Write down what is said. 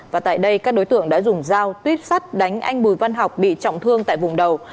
và tại đây các đối tượng đã dùng dao tuyếp sắt đánh anh bùi văn học bị trọng thương tại vùng đầu